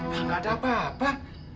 enggak ada apa apa